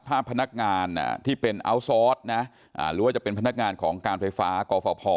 ถ้าพนักงานที่เป็นอัลซอสนะหรือว่าจะเป็นพนักงานของการไฟฟ้ากฟภ